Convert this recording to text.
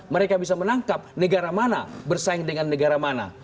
mereka bisa menangkap negara mana bersaing dengan negara mana